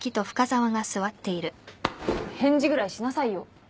返事ぐらいしなさいよ。